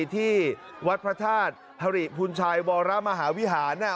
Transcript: ที่วัดพระธาตุฮรีภูนชายวรมหาวิหานเนี่ย